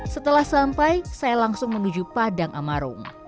setelah sampai saya langsung menuju padang amarung